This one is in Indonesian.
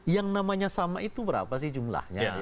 yang namanya sama itu berapa sih jumlahnya